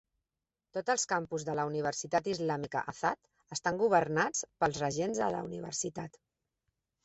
Tots els campus de la Universitat Islàmica Azad estan governats pels regents de la universitat.